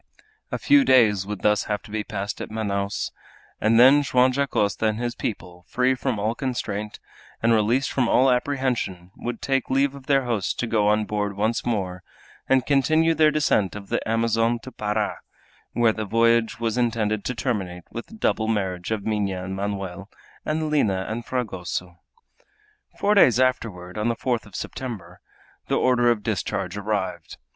A few days would thus have to be passed at Manaos, and then Joam Dacosta and his people, free from all constraint, and released from all apprehension, would take leave of their host to go on board once more and continue their descent of the Amazon to Para, where the voyage was intended to terminate with the double marriage of Minha and Manoel and Lina and Fragoso. Four days afterward, on the fourth of September, the order of discharge arrived.